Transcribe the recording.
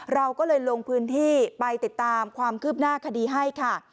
เราก็เลยลงพื้นที่ไปติดตามความคืบหน้าคดีให้ค่ะ